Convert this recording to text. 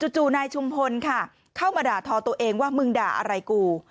จู่นายชุมพลค่ะเข้ามาด่าทอตัวเองว่ามึงด่าอะไรกู